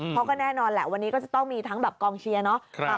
เพราะก็แน่นอนแหละวันนี้ก็จะต้องมีทั้งแบบกองเชียร์เนาะ